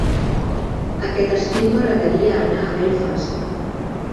Aquest estiu m'agradaria anar a Belfast.